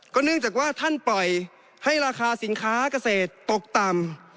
เนื่องจากว่าท่านปล่อยให้ราคาสินค้าเกษตรตกต่ำ